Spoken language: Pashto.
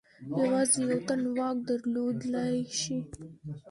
یوازې یو تن واک درلودلای شي.